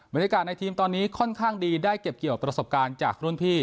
ในทีมตอนนี้ค่อนข้างดีได้เก็บเกี่ยวประสบการณ์จากรุ่นพี่